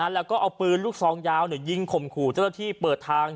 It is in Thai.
แล้วก็เอาปืนลูกซองยาวยิงข่มขู่เจ้าหน้าที่เปิดทาง